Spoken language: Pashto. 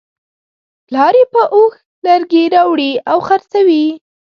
پلار یې په اوښ لرګي راوړي او خرڅوي.